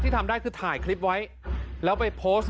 ทำได้คือถ่ายคลิปไว้แล้วไปโพสต์